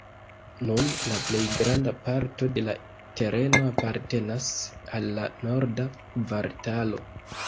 Nun la plej granda parto de la tereno apartenas al la Norda Kvartalo.